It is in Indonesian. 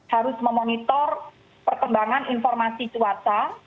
harus memonitor perkembangan informasi cuaca